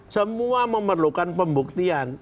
semua memerlukan pembuktian